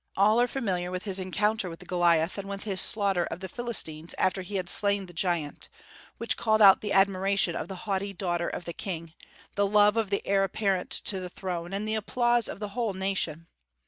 All are familiar with his encounter with Goliath, and with his slaughter of the Philistines after he had slain the giant, which called out the admiration of the haughty daughter of the king, the love of the heir apparent to the throne, and the applause of the whole nation.